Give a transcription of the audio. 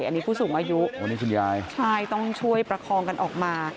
อันนี้ผู้สูงอายุต้องช่วยประคองกันออกมา